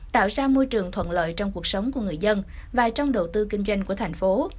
tạo ra môi trường thuận lợi trong cuộc sống của người dân và trong đầu tư kinh doanh của thành phố